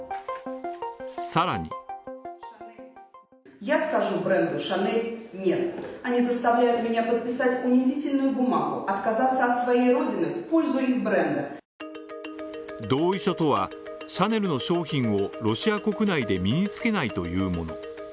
さらに同意書とは、シャネルの商品を、ロシア国内で身につけないというもの。